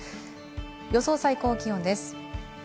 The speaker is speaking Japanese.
予想最高気温です。